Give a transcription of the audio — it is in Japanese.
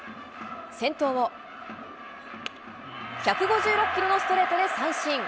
先頭を、１５６キロのストレートで三振。